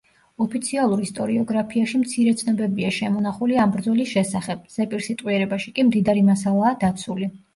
ოფიციალურ ისტორიოგრაფიაში მცირე ცნობებია შემონახული ამ ბრძოლის შესახებ, ზეპირსიტყვიერებაში კი მდიდარი მასალაა დაცული.